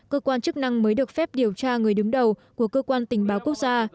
cơ quan chức năng mới được phép điều tra người đứng đầu của cơ quan tình báo quốc gia